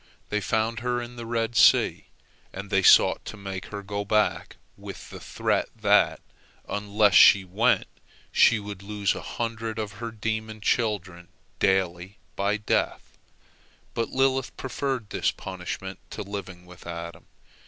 They found her in the Red Sea, and they sought to make her go back with the threat that, unless she went, she would lose a hundred of her demon children daily by death. But Lilith preferred this punishment to living with Adam.